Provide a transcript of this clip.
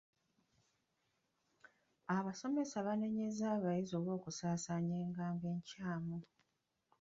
Abasomesa baanenyezza abayizi olw'okusaasaanya engambo enkyamu.